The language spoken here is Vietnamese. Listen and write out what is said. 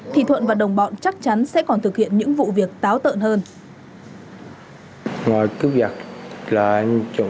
thì thuận và đồng bọn chắc chắn sẽ còn thực hiện những vụ việc táo tợn hơn